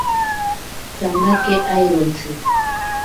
Kamake airontsi.